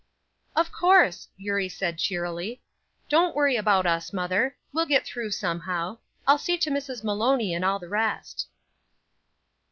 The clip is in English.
"Of course," Eurie said, cheerily. "Don't worry about us, mother; we'll get through somehow. I'll see to Mrs. Maloney and all the rest."